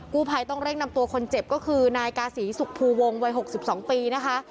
กู้ภัยต้องเร่งนำตัวคนเจ็บก็คือนายกาศีสุขภูวงวัย๖๒ปีนะคะ